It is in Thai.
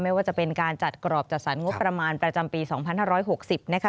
ว่าจะเป็นการจัดกรอบจัดสรรงบประมาณประจำปี๒๕๖๐นะคะ